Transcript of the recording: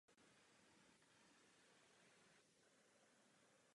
Kabelové mosty jsou často zhotoveny jako dvoudílné.